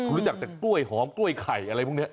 คุณรู้จักแต่กล้วยหอมกล้วยไข่อะไรพวกนี้